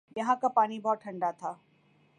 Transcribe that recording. یہاں کا پانی بہت ٹھنڈا تھا ۔